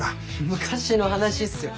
昔の話っすよ。